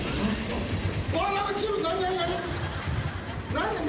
何で？